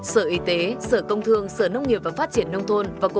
sở y tế sở công thương sở nông nghiệp và phát triển nông thôn